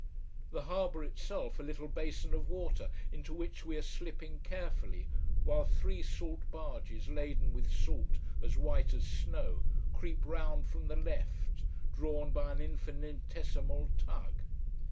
The harbour itself a little basin of water, into which we are slipping carefully, while three salt barges laden with salt as white as snow creep round from the left, drawn by an infinitesimal tug.